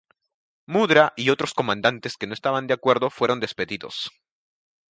Mudra y otros comandantes que no estaban de acuerdo fueron despedidos.